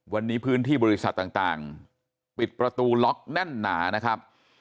วันนี้พื้นที่บริษัทต่างปิดประตูล็อกแน่นหนานะครับ